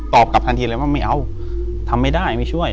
กลับทันทีเลยว่าไม่เอาทำไม่ได้ไม่ช่วย